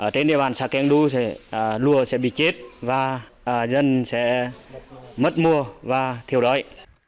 trên địa bàn xã keng du lùa sẽ bị chết và dân sẽ mất mùa và thiểu đổi